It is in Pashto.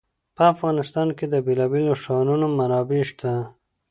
په افغانستان کې د بېلابېلو ښارونو منابع شته.